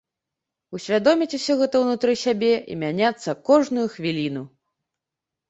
Усвядоміць усё гэта унутры сябе і мяняцца кожную хвіліну.